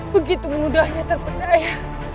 begitu mudahnya terpedaya